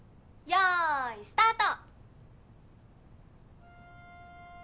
よいスタート！